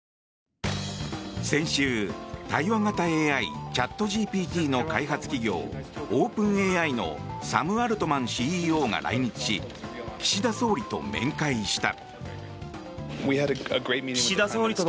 先週、対話型ＡＩチャットＧＰＴの開発企業オープンＡＩのサム・アルトマンＣＥＯが来日し岸田総理と面会した。